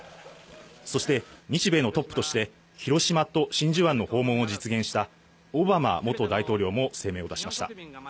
そして、日米のトップとして広島と真珠湾の訪問を実現した、オバマ元大統領も声明を出しました。